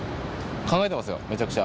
考えてますよ、めちゃくちゃ。